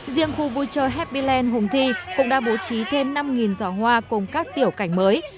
riêng khu vui chơi happyland hùng thi cũng đã bố trí thêm năm giỏ hoa cùng các tiểu cảnh mới